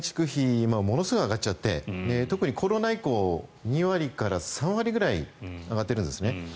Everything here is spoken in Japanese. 今、ものすごい上がっちゃって特にコロナ以降２割から３割ぐらい上がっているんですね。